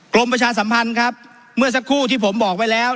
ประชาสัมพันธ์ครับเมื่อสักครู่ที่ผมบอกไว้แล้ว